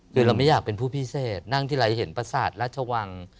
คือเราไม่อยากเป็นผู้พิเศษนั่งทีไรเห็นประสาทราชวัง